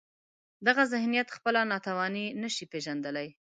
دغه ذهنیت خپله ناتواني نشي پېژندلای.